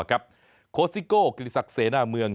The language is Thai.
คอสซิโกกิฤษักเสน่าเมือง